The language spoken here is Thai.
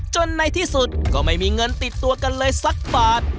ในที่สุดก็ไม่มีเงินติดตัวกันเลยสักบาท